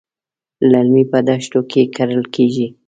للمي په دښتو کې کرل کېږي.